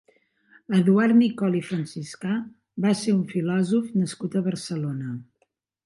Eduard Nicol i Franciscà va ser un filòsof nascut a Barcelona.